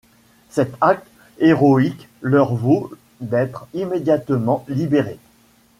Cet acte héroïque leur vaut d'être immédiatement libérés.